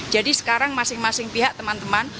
jadi sekarang masing masing pihak teman teman